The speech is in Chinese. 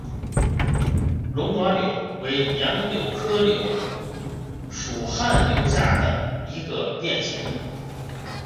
龙爪柳为杨柳科柳属旱柳下的一个变型。